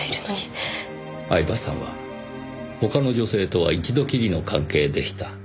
饗庭さんは他の女性とは一度きりの関係でした。